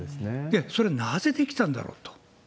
それはなぜできたんだろうと。